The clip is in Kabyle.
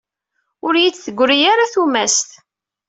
Ur iyi-d-teggri ara tumast.